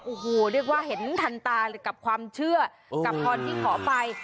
โอ้โหเรียกว่าเห็นทันตากับความเชื่อกับพรที่ขอไป